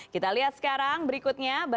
kita lihat sekarang berikutnya